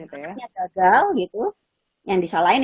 kayaknya gagal gitu yang disalahin